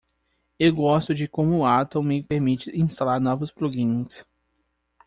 Eu gosto de como o Atom me permite instalar novos plugins.